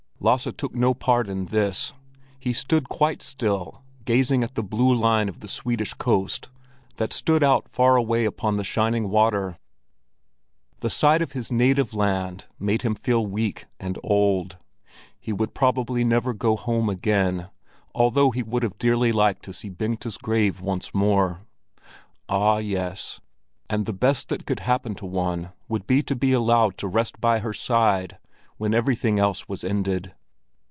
Lasse took no part in this. He stood quite still, gazing at the blue line of the Swedish coast that stood out far away upon the shining water. The sight of his native land made him feel weak and old; he would probably never go home again, although he would have dearly liked to see Bengta's grave once more. Ah yes, and the best that could happen to one would be to be allowed to rest by her side, when everything else was ended.